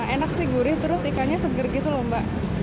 enak sih gurih terus ikannya seger gitu loh mbak